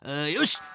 よし！